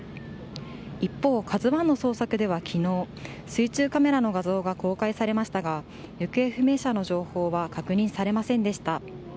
一方「ＫＡＺＵ１」の捜索では昨日水中カメラの画像が公開されましたが行方不明者の情報は確認されませんでした。